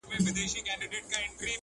که حساب دی،